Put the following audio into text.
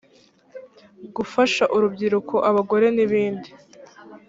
gufasha urubyiruko abagore n ibindi